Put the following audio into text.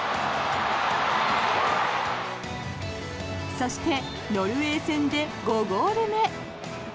そしてノルウェー戦で５ゴール目。